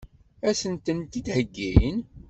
Ad sen-ten-id-heggin?